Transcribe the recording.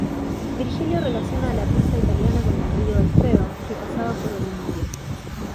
Virgilio relaciona a la Pisa italiana con el río Alfeo, que pasaba por Olimpia.